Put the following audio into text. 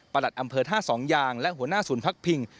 หลัดอำเภอท่าสองยางและหัวหน้าศูนย์พักพิง